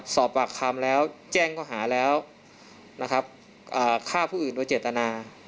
สอบปากคำแล้วแจ้งเขาหาแล้วนะครับฆ่าผู้อื่นโดยเจตนา